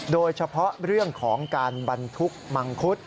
โดยเฉพาะเรื่องของการบรรทุกมังคุด